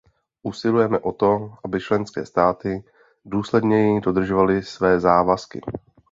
Usilujeme o to, aby členské státy důsledněji dodržovaly své závazky.